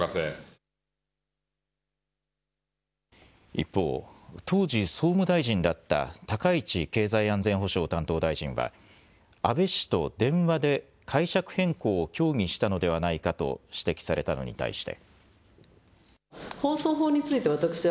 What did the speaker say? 一方、当時、総務大臣だった高市経済安全保障担当大臣は安倍氏と電話で解釈変更を協議したのではないかと指摘されたのに対して。